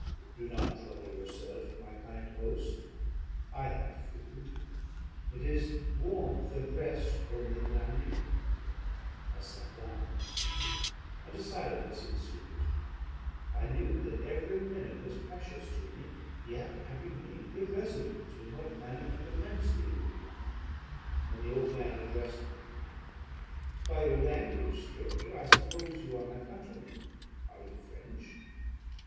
"'Do not trouble yourself, my kind host, I have food; it is warmth and rest only that I need.' "I sat down, and a silence ensued. I knew that every minute was precious to me, yet I remained irresolute in what manner to commence the interview; when the old man addressed me "'By your language, stranger, I suppose you are my countryman; are you French?'